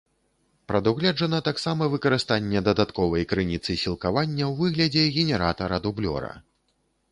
Прадугледжана таксама выкарыстанне дадатковай крыніцы сілкавання ў выглядзе генератара-дублёра.